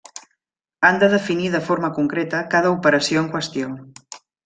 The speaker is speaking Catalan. Han de definir de forma concreta cada operació en qüestió.